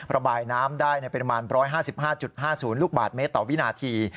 ระบายน้ำได้ในประมาณ๑๕๕๕๐ลูกบาทเมตรต่อวินาที